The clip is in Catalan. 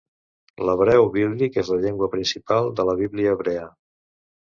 L'hebreu bíblic és la llengua principal de la Bíblia hebrea.